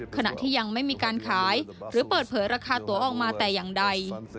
ขณะที่ยังไม่มีการขายหรือเปิดเผยราคาตัวออกมาแต่อย่างใด